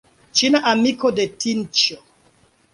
Ĉina amiko de Tinĉjo.